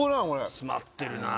詰まってるなぁ。